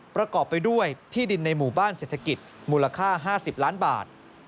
ประกอบไปด้วยที่ดินในหมู่บ้านเศรษฐกิจมูลค่า๕๐ล้านบาท